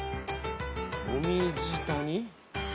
もみじ谷？